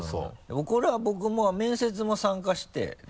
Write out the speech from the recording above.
これは僕面接も参加して。